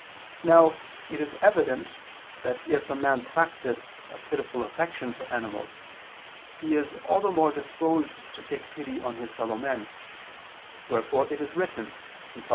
Now it is evident that if a man practice a pitiful affection for animals, he is all the more disposed to take pity on his fellow men: wherefore it is written (Prov.